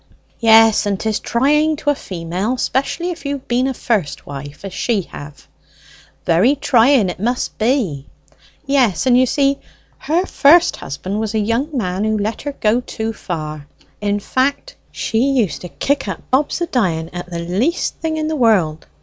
"Yes; and 'tis trying to a female, especially if you've been a first wife, as she hev." "Very trying it must be." "Yes: you see her first husband was a young man, who let her go too far; in fact, she used to kick up Bob's a dying at the least thing in the world.